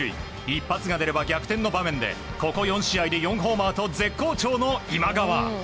一発が出れば逆転の場面でここ４試合で４ホーマーと絶好調の今川。